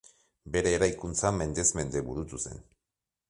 Bere eraikuntza mendez-mende burutu zen.